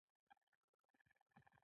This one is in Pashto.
د بلخ ځمکې ولې هوارې دي؟